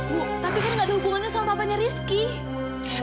bu tapi kan gak ada hubungannya sama papanya rizky